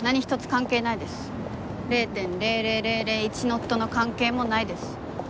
０．００００１ノットの関係もないです。